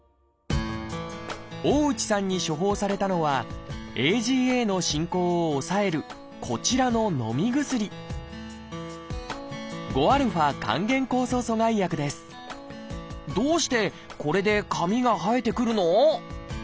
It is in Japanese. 大内さんに処方されたのはＡＧＡの進行を抑えるこちらののみ薬どうしてこれで髪が生えてくるの？